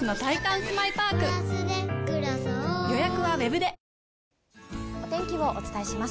東芝お天気をお伝えします。